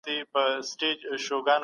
هر هغه څېړنه چي اړتیا ئې وي ګټوره ده.